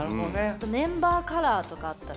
メンバーカラーとかあったら。